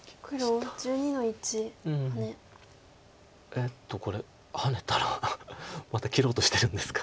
えっとこれハネたらまた切ろうとしてるんですか。